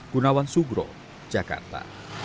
gunawan sugro jakarta